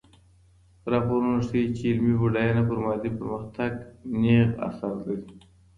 راپورونه ښيي چي علمي بډاينه پر مادي پرمختګ نېغ اثر لري.